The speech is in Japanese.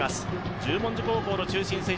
十文字高校の中心選手